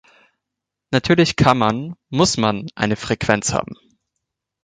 Natürlich kann man, muss man eine Frequenz haben.